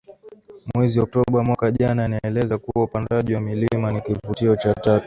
mwezi Oktoba mwaka jana inaeleza kuwa upandaji wa milima ni kuvutio cha tatu